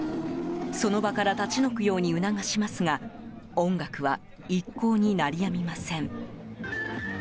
その場から立ち退くよう促しますが音楽は一向に鳴りやみません。